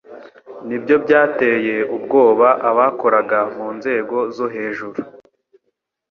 nibyo byateye ubwoba abakoraga mu nzego zo hejuru